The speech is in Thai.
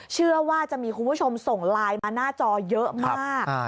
เชื่อว่าจะมีคุณผู้ชมส่งไลน์มาหน้าจอเยอะมาก